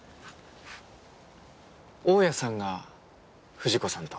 大家さんが「藤子さん」と。